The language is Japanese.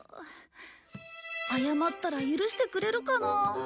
謝ったら許してくれるかな。